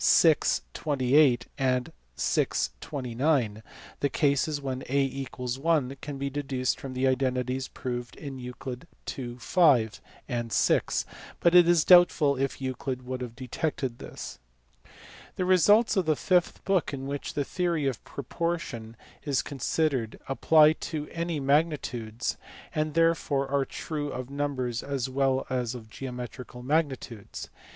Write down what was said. vi. 28 and vi. 29; the cases when a 1 can be deduced from the identities proved in Euc. IT. 60 THE FIRST ALEXANDRIAN SCHOOL. 5 and 6, but it is doubtful if Euclid would have detected this. The results of the fifth book in which the theory of propor tion is considered apply to any magnitudes, and therefore are true of numbers as well as of geometrical magnitudes.